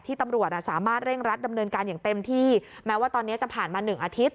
ตำรวจสามารถเร่งรัดดำเนินการอย่างเต็มที่แม้ว่าตอนนี้จะผ่านมาหนึ่งอาทิตย